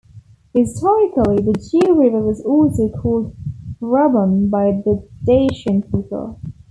Historically, the Jiu River was also called Rhabon by the Dacian people.